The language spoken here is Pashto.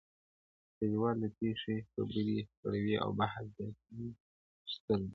o کليوال د پېښې خبري خپروي او بحث زياتيږي تل ډېر,